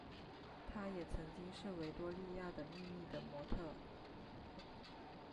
她也曾经是维多利亚的秘密的模特儿。